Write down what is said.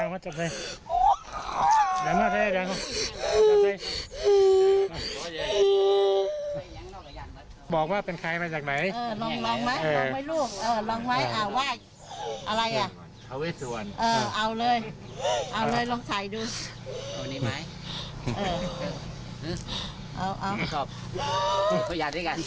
เออเอาเลยเอาเลยลองถ่ายด้วย